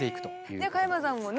じゃあ加山さんをね